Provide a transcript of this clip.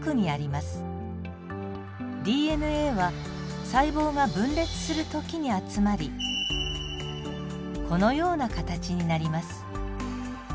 ＤＮＡは細胞が分裂する時に集まりこのような形になります。